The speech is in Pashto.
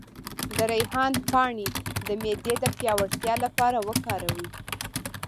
د ریحان پاڼې د معدې د پیاوړتیا لپاره وکاروئ